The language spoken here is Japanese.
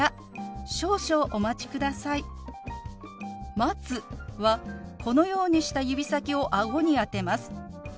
「待つ」はこのようにした指先を顎に当てます。